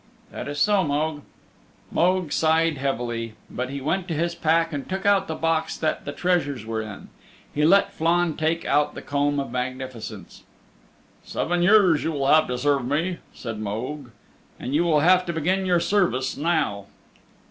"That is so, Mogue." Mogue sighed heavily, but he went to his pack and took out the box that the treasures were in. He let Flann take out the Comb of Magnificence. "Seven years you will have to serve me," said Mogue, "and you will have to begin your service now."